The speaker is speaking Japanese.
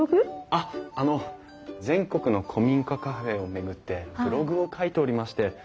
あっあの全国の古民家カフェを巡ってブログを書いておりまして。